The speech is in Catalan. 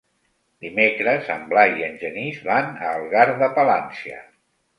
Dimecres en Blai i en Genís van a Algar de Palància.